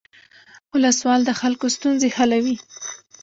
ولسوال د خلکو ستونزې حلوي